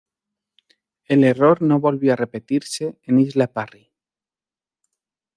El error no volvió a repetirse en Isla Parry.